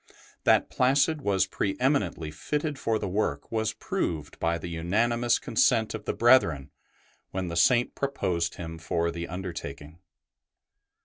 That Placid was pre eminently fitted for the work was proved by the unanimous consent of the brethren when the Saint proposed him for the undertaking.